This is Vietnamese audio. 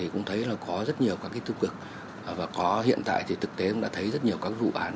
cũng thấy có rất nhiều các tiêu cực và có hiện tại thì thực tế cũng đã thấy rất nhiều các vụ án